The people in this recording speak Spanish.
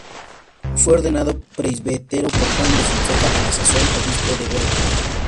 Fue ordenado presbítero por Juan de Fonseca, a la sazón obispo de Guadix.